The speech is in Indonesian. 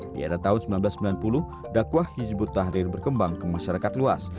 di era tahun seribu sembilan ratus sembilan puluh dakwah hizbut tahrir berkembang ke masyarakat luas